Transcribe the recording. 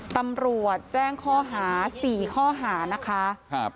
ตำรวจแจ้งข้อหาสี่ข้อหานะคะครับ